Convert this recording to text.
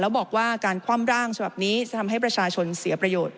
แล้วบอกว่าการคว่ำร่างฉบับนี้จะทำให้ประชาชนเสียประโยชน์